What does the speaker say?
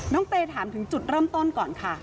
เตยถามถึงจุดเริ่มต้นก่อนค่ะ